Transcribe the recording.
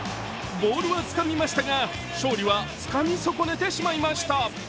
ボールはつかみましたが勝利はつかみ損ねてしまいました。